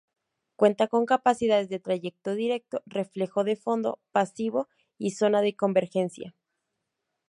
Cuenta con capacidades de trayecto directo, reflejo de fondo, pasivo y zona de convergencia.